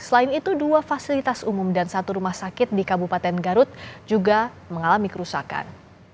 selain itu dua fasilitas umum dan satu rumah sakit di kabupaten garut juga mengalami kerusakan